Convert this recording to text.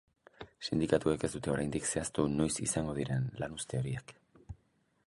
Sindikatuek ez dute oraindik zehaztu noiz izango diren lanuzte horiek.